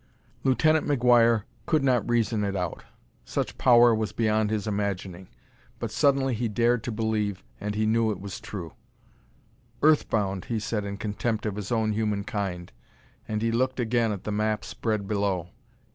Lieutenant McGuire could not reason it out such power was beyond his imagining but suddenly he dared to believe, and he knew it was true. "Earthbound!" he said in contempt of his own human kind, and he looked again at the map spread below.